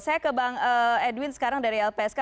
saya ke bang edwin sekarang dari lpsk